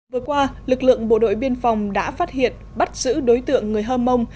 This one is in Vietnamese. vừa qua lực lượng bộ đội biên phòng đã phát hiện bắt giữ đối tượng người hơ mông